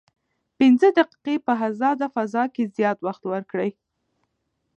پنځه دقیقې په ازاده فضا کې زیات وخت ورکړئ.